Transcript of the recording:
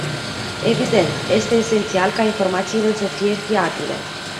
Evident, este esențial ca informațiile să fie fiabile.